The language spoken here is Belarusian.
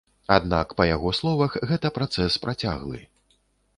Аднак, па яго словах, гэта працэс працяглы.